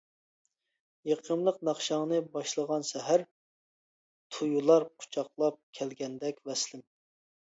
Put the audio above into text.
يېقىملىق ناخشاڭنى باشلىغان سەھەر، تۇيۇلار قۇچاقلاپ كەلگەندەك ۋەسلىم.